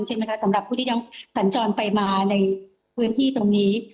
เช่นสำหรับสำหรับผู้ที่ยังสัญจรไปมาในพื้นที่ตรงนี้